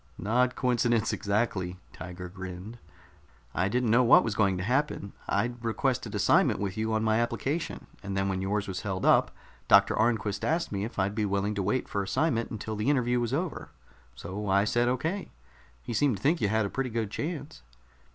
"Not coincidence, exactly." Tiger grinned. "I didn't know what was going to happen. I'd requested assignment with you on my application, and then when yours was held up, Doctor Arnquist asked me if I'd be willing to wait for assignment until the interview was over. So I said okay. He seemed to think you had a pretty good chance."